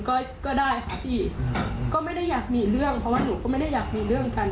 ก็ก็ได้ค่ะพี่ก็ไม่ได้อยากมีเรื่องเพราะว่าหนูก็ไม่ได้อยากมีเรื่องกัน